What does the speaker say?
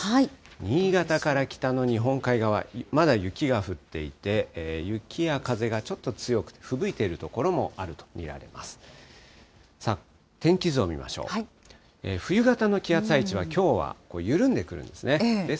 新潟から北の日本海側、まだ雪が降っていて、雪や風がちょっと強く、ふぶいている所もあると見られます。